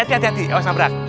hati hati jangan berat